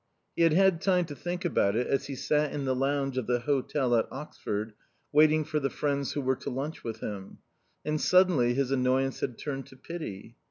He had had time to think about it as he sat in the lounge of the hotel at Oxford waiting for the friends who were to lunch with him. And suddenly his annoyance had turned to pity.